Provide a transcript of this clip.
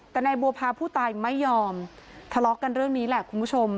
แต่นายบัวพาผู้ตายไม่ยอมทะเลาะกันเรื่องนี้แหละคุณผู้ชม